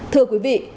thưa quý vị